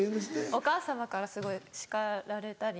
お母様からすごい叱られたり。